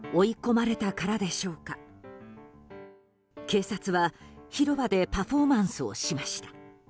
警察は広場でパフォーマンスをしました。